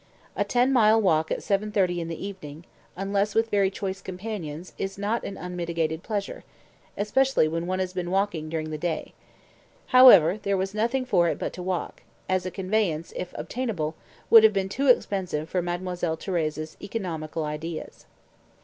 A ten mile walk at 7.30 in the evening, unless with very choice companions, is not an unmitigated pleasure, especially when one has been walking during the day. However, there was nothing for it but to walk, as a conveyance, if obtainable, would have been too expensive for Mademoiselle Thérèse's economical ideas.